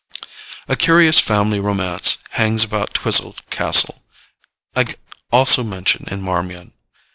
A curious family romance hangs about Twisell castle, also mentioned in 'Marmion.'